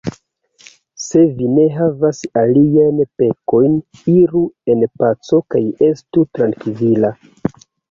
Se vi ne havas aliajn pekojn, iru en paco kaj estu trankvila!